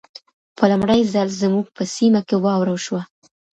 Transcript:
په لمړي ځل زموږ په سيمه کې واوره وشوه.